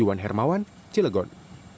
yuhan hermawan cilegon